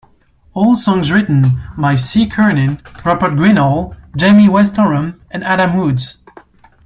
All songs written by Cy Curnin, Rupert Greenall, Jamie West-Oram and Adam Woods.